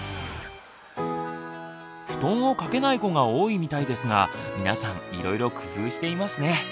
布団を掛けない子が多いみたいですが皆さんいろいろ工夫していますね。